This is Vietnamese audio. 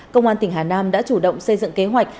công an tỉnh hà nam đã chủ động xây dựng kế hoạch